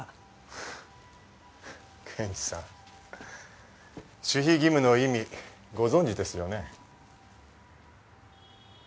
検事さん守秘義務の意味ご存じですよね？